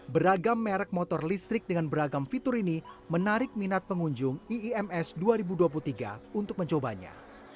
beragam merek motor listrik dengan beragam fitur ini menarik minat pengunjung iims dua ribu dua puluh tiga untuk mencobanya